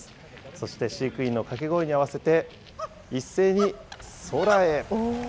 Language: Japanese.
そして飼育員の掛け声に合わせて、おー。